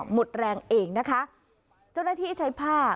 หมดแรงเองนะคะเจ้าหน้าที่ใช้ผ้า